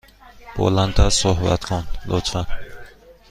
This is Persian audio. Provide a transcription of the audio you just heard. بلند تر صحبت کن، لطفا.